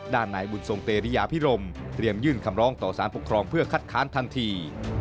ด้านในบุญทรงเตรียพิรมเตรียมยื่นคำร้องต่อสารปกครองเพื่อคัดค้านทันที